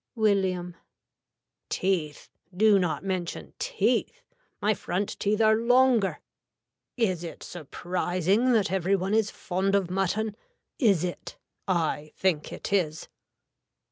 (William.) Teeth, do not mention teeth. My front teeth are longer. Is it surprising that every one is fond of mutton. Is it. I think it is.